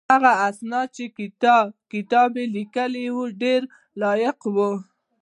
هغه استاد چې کتاب یې لیکلی و ډېر لایق و.